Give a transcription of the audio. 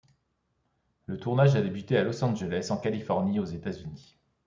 Le tournage a débuté à Los Angeles, en Californie, aux États-Unis.